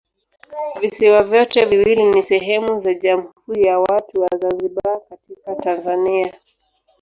Visiwa vyote viwili ni sehemu za Jamhuri ya Watu wa Zanzibar katika Tanzania.